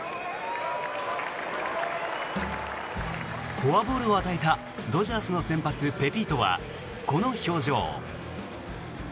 フォアボールを与えたドジャースの先発、ペピートはこの表情。